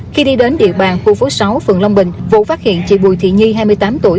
khi đi đến địa bàn khu phố sáu phường long bình vụ phát hiện chị bùi thị nhi hai mươi tám tuổi